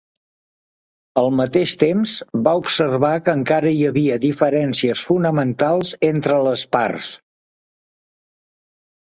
Al mateix temps, va observar que encara hi havia diferències fonamentals entre les parts.